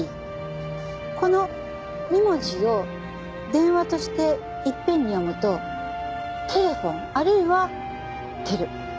この２文字を「電話」としていっぺんに読むと「テレホン」あるいは「テル」。